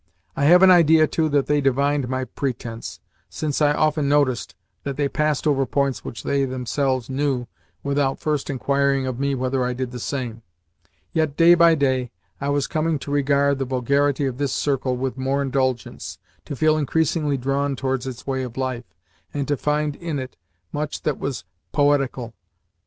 I have an idea, too, that they divined my pretence, since I often noticed that they passed over points which they themselves knew without first inquiring of me whether I did the same. Yet, day by day, I was coming to regard the vulgarity of this circle with more indulgence, to feel increasingly drawn towards its way of life, and to find in it much that was poetical.